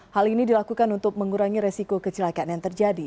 hal ini dilakukan untuk mengurangi resiko kecelakaan yang terjadi